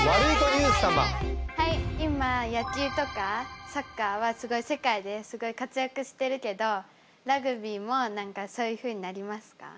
今野球とかサッカーはすごい世界ですごい活躍してるけどラグビーも何かそういうふうになりますか？